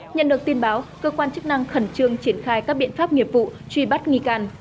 nhận được tin báo cơ quan chức năng khẩn trương triển khai các biện pháp nghiệp vụ truy bắt nghi can